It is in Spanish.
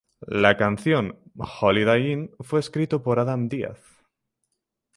La canción "Holiday Inn" fue escrito por Adam Diaz.